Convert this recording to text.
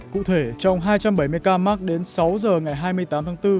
cụ thể trong hai trăm bảy mươi ca mắc đến sáu giờ ngày hai mươi tám tháng bốn